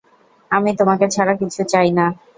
আমি তোমাকে ছাড়া কিছু চাই না।